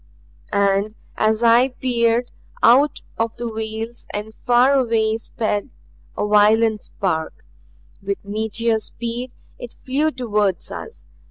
And, as I peered, out of the veils and far away sped a violet spark. With meteor speed it flew toward us.